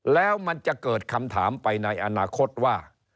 แล้วมันจะเกิดคำถามไปในอนาคตว่า